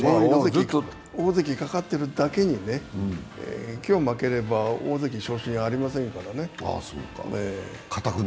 大関かかっているだけに、今日負ければ大関昇進ありませんからね。